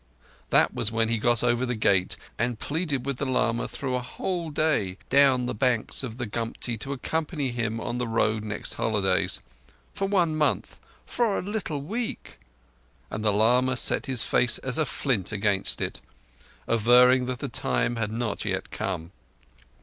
That was when he got over the gate and pleaded with the lama through a whole day down the banks of the Gumti to accompany him on the Road next holidays—for one month—for a little week; and the lama set his face as a flint against it, averring that the time had not yet come.